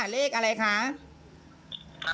เลขบัญชีธนาคาร